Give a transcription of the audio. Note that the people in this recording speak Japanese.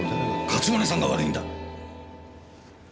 勝村さんが悪いんだ！